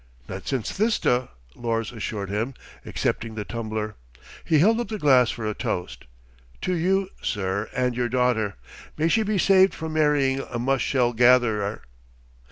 "Not since Thista," Lors assured him, accepting the tumbler. He held up the glass for a toast. "To you, sir, and your daughter. May she be saved from marrying a mushshell gatherer."